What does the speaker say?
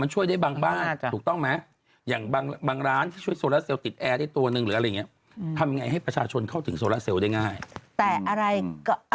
เหลือ๔บาท๒๕สตางค์